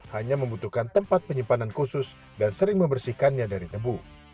hanya membutuhkan tempat penyimpanan khusus dan sering membersihkannya dari nebu